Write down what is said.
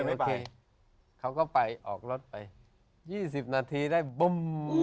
นาทีเขาก็ไปออกรถไป๒๐นาทีได้บึ้ม